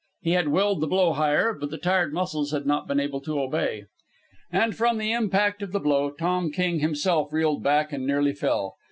He had willed the blow higher, but the tired muscles had not been able to obey. And, from the impact of the blow, Tom King himself reeled back and nearly fell.